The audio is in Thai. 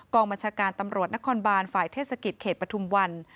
บัญชาการตำรวจนครบานฝ่ายเทศกิจเขตปฐุมวัน